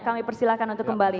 kami persilahkan untuk kembali